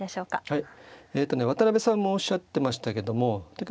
はい。